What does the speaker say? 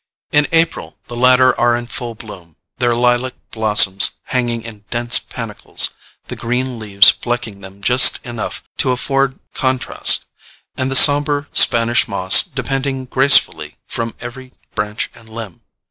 In April the latter are in full bloom, their lilac blossoms hanging in dense panicles, the green leaves flecking them just enough to afford contrast, and the sombre Spanish moss depending gracefully from every branch and limb.